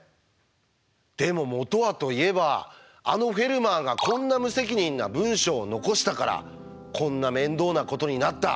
でも元はといえばあのフェルマーがこんな無責任な文章を残したからこんな面倒なことになった！